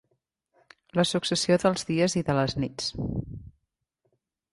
La successió dels dies i de les nits.